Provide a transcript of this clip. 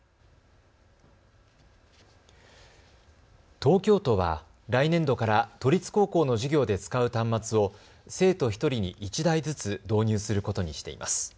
東京都は来年度から都立高校の授業で使う端末を生徒１人に１台ずつ導入することにしています。